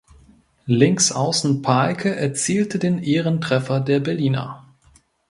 Linksaußen Pahlke erzielte den Ehrentreffer der Berliner.